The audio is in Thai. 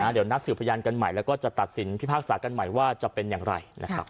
เดี๋ยวนัดสืบพยานกันใหม่แล้วก็จะตัดสินพิพากษากันใหม่ว่าจะเป็นอย่างไรนะครับ